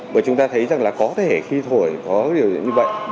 bởi chúng ta thấy rằng là có thể khi thổi có điều như vậy